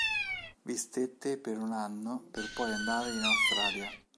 Vi stette per un anno per poi andare in Australia.